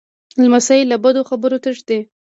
لمسی له بدو خبرو تښتي.